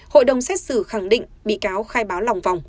hội đồng xét xử khẳng định bị cáo khai báo lòng vòng